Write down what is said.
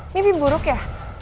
mimpi buruk ya